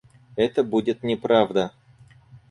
Это будет неправда.